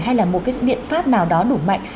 hay là một cái biện pháp nào đó đủ mạnh